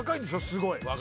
すごい。